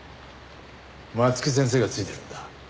松木先生がついてるんだ。